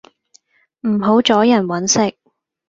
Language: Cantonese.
唔好阻人搵食